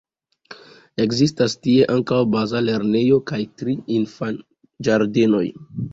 Ekzistas tie ankaŭ baza lernejo kaj tri infanĝardenoj.